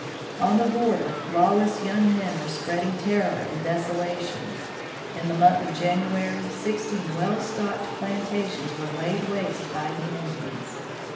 On the border, lawless young men were spreading terror and desolation; in the month of January sixteen well stocked plantations were laid waste by the Indians.